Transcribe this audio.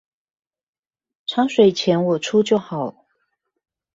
茶水錢我出就好